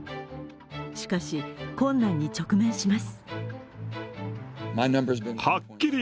しかし、困難に直面します。